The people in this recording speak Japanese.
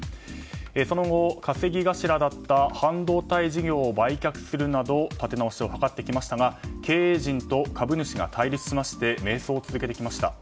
その後、稼ぎ頭だった半導体事業を売却するなど立て直しを図ってきましたが経営陣と株主が対立し迷走を続けてきました。